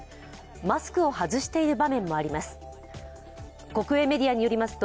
マスクを外している場面もあります。